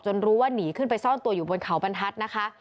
รู้ว่าหนีขึ้นไปซ่อนตัวอยู่บนเขาบรรทัศน์นะคะ